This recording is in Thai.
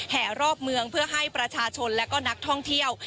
รอบเมืองเพื่อให้ประชาชนและก็นักท่องเที่ยว